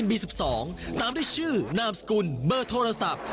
นามสกุลเบอร์โทรศัพท์